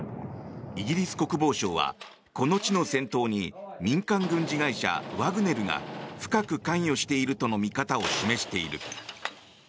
イギリス国防省はこの地の戦闘に民間軍事会社ワグネルが深く関与しているとの見方を示している。